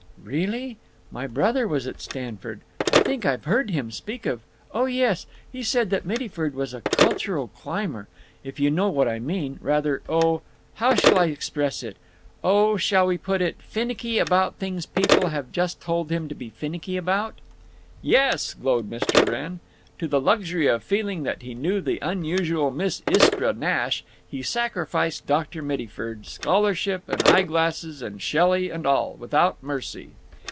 "Really?… My brother was at Stanford. I think I've heard him speak of—Oh yes. He said that Mittyford was a cultural climber, if you know what I mean; rather—oh, how shall I express it?—oh, shall we put it, finicky about things people have just told him to be finicky about." "Yes!" glowed Mr. Wrenn. To the luxury of feeling that he knew the unusual Miss Istra Nash he sacrificed Dr. Mittyford, scholarship and eye glasses and Shelley and all, without mercy.